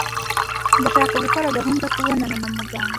Ndashaka gukora gahunda yo kubonana na muganga.